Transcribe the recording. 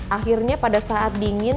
akhirnya pada saat dingin